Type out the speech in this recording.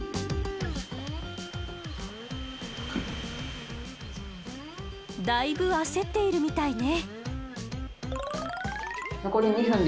よいだいぶ焦っているみたいね。